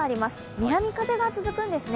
南風が続くんですね。